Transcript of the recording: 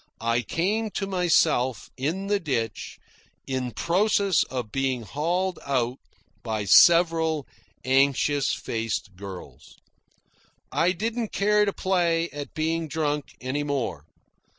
I came to myself, in the ditch, in process of being hauled out by several anxious faced girls. I didn't care to play at being drunk any more.